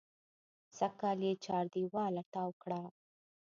سږکال یې چاردېواله تاو کړه.